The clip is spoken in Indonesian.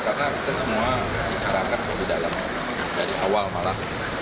karena kita semua bicarakan di dalam dari awal malah